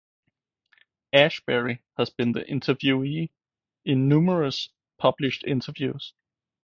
Ashbery has been the interviewee in numerous published interviews.